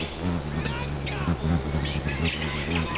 何か見てみたいかも！